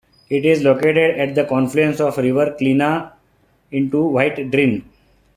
It is located at the confluence of the river Klina into the White Drin.